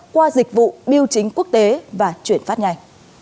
qua dịch vụ biêu chính quốc tế và chuyển phát nhanh